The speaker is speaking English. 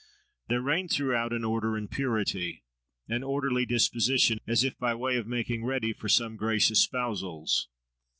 There reigned throughout, an order and purity, an orderly disposition, as if by way of making ready for some gracious spousals.